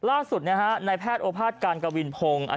ล่าสุดนะฮะในแพทย์โอภาษการกวินพงศ์